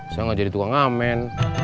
saya gak jadi tukang amin